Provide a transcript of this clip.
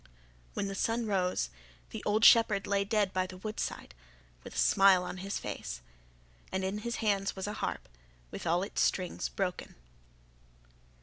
When the sun rose the old shepherd lay dead by the roadside, with a smile on his face; and in his hands was a harp with all its strings broken."